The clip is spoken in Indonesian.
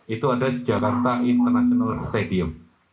itu ada jakarta international stadium